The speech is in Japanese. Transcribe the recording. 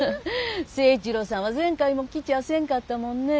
誠一郎さんは前回も来ちゃせんかったもんねぇ。